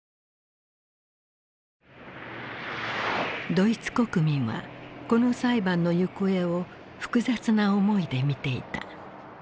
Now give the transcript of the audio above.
ドイツ国民はこの裁判の行方を複雑な思いで見ていた。